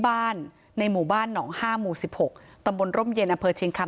บ้านในหมู่บ้านหนอง๕หมู่๑๖ตบลรมเยนอเภอเชียงครรม